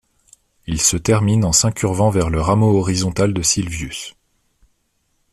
Il se termine en s'incurvant vers le rameau horizontal de Sylvius.